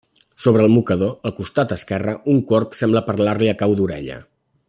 Sobre el mocador, al costat esquerre, un corb sembla parlar-li a cau d'orella.